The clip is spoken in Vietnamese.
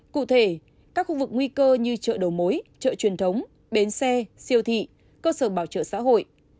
cụ thể các khu vực nguy cơ như chợ đầu mối chợ truyền thống bến xe siêu thị cơ sở bảo trợ xã hội